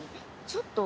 ちょっと。